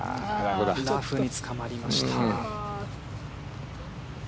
ラフにつかまりました。